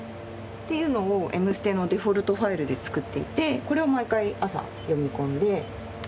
っていうのを『Ｍステ』のデフォルトファイルで作っていてこれを毎回朝読み込んで。